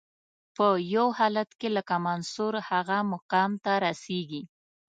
په یو حالت کې لکه منصور هغه مقام ته رسیږي.